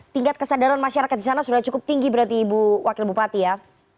tingkat kesadaran masyarakat di sana sudah cukup tinggi berarti ibu wakil bupati ya